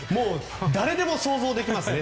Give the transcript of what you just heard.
誰でも想像できますね